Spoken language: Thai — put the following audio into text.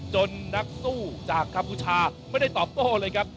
นักสู้จากกัมพูชาไม่ได้ตอบโต้เลยครับ